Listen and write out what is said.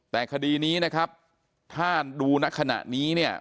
แต่คดีนี้นะครับถ้าดูณขณะนี้เนี่ย